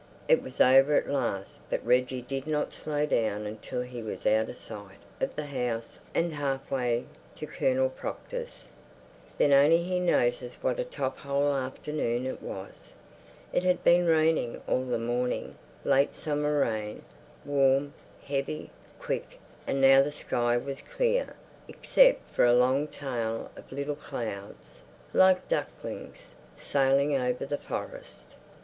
It was over at last, but Reggie did not slow down until he was out of sight of the house and half way to Colonel Proctor's. Then only he noticed what a top hole afternoon it was. It had been raining all the morning, late summer rain, warm, heavy, quick, and now the sky was clear, except for a long tail of little clouds, like ducklings, sailing over the forest.